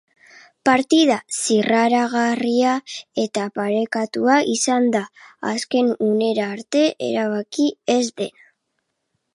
Partida zirraragarria eta parekatua izan da, azken unera arte erabaki ez dena.